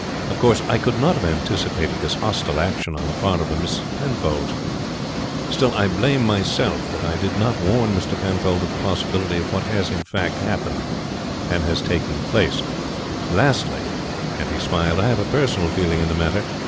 Of course I could not have anticipated this hostile action on the part of the Miss Penfolds. Still, I blame myself that I did not warn Mr. Penfold of the possibility of what has in fact happened taking place. Lastly," and he smiled, "I have a personal feeling in the matter.